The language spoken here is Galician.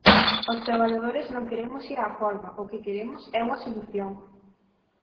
Os traballadores non queremos ir á folga, o que queremos é unha solución.